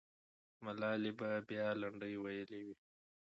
ملالۍ به بیا لنډۍ ویلې وې.